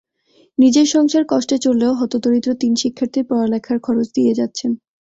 নিজের সংসার কষ্টে চললেও হতদরিদ্র তিন শিক্ষার্থীর পড়ালেখার খরচ দিয়ে যাচ্ছেন।